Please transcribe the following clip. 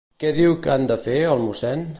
Què diu que han de fer, el Mossen?